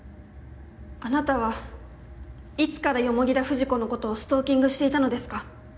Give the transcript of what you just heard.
あなたはいつから田藤子のことをストーキングしていたのですか？